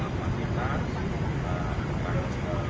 untuk jemaah haji akan menggunakan dua kain mikot